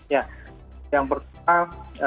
ya yang pertama